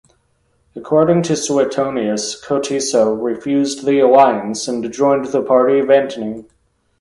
According to Suetonius, Cotiso refused the alliance and joined the party of Antony.